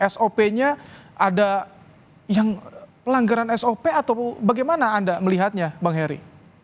sop nya ada yang pelanggaran sop atau bagaimana anda melihatnya bang heri